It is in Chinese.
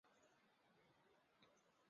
后来李自成封朱慈烺为宋王。